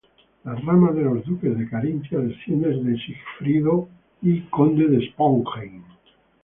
La rama de los Duques de Carintia desciende de Sigfrido I, Conde de Sponheim.